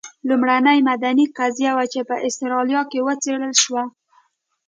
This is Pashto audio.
لومړنۍ مدني قضیه وه چې په اسټرالیا کې وڅېړل شوه.